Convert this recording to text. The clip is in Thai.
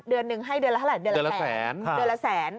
เดือนหนึ่งให้เดือนละเท่าไรเดือนละแสน